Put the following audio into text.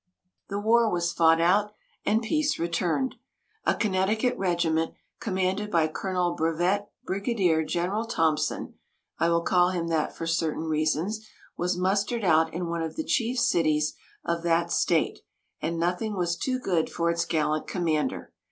The war was fought out, and peace returned. A Connecticut regiment, commanded by Colonel Brevet Brigadier General Thompson (I will call him that for certain reasons) was mustered out in one of the chief cities of that state, and nothing was too good for its gallant commander.